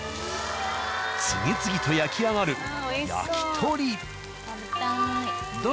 次々と焼き上がる焼き鳥。